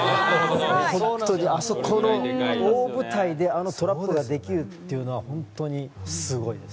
本当に、あそこの大舞台であのトラップができるっていうのは本当にすごいです。